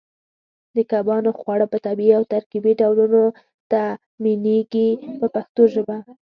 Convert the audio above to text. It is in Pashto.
د کبانو خواړه په طبیعي او ترکیبي ډولونو تامینېږي په پښتو ژبه.